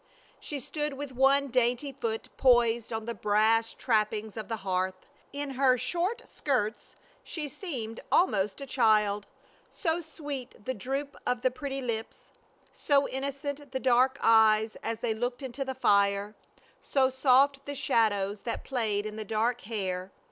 She stood with one dainty foot poised on the brass trappings of the hearth. In her short skirts she seemed almost a child; so sweet the droop of the pretty lips; so innocent the dark eyes as they looked into the fire; so soft the shadows that played in the dark hair!